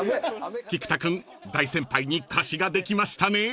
［菊田君大先輩に貸しができましたね］